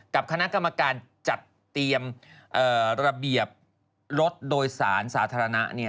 กับคณะกรรมการจัดเตรียมระเบียบรถโดยสารสาธารณะ